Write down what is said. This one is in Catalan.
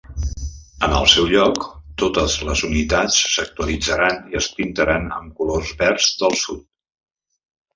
En el seu lloc, totes les unitats s'actualitzaren i es pintaren amb colors verds del sud.